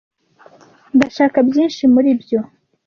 Ndashaka byinshi muribyo.